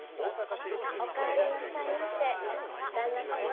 お帰りなさいませ旦那様。